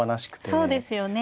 そうですよね。